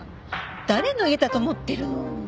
誰の家だと思ってるの？